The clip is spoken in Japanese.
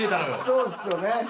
そうですよね。